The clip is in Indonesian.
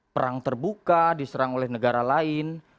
perang terbuka diserang oleh negara lain